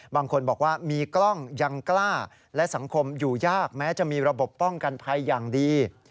บางคนบอกว่ามีกล้องยังกล้าและสังคมอยู่ยากแม้จะมีระบบป้องกันภัยอย่างดี